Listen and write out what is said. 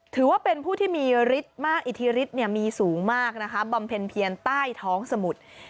ถือว่าเป็นผู้ที่มีฤทธิริตมีสูงมากบำเพ็ญเพียนใต้ท้องสมุทร